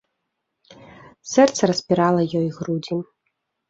Сэрца распірала ёй грудзі.